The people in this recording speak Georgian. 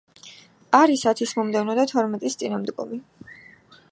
არის ათის მომდევნო და თორმეტის წინამდგომი.